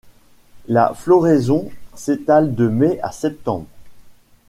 La floraison s'étale de mai à septembre.